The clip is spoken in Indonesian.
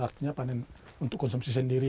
waktunya panen untuk konsumsi sendiri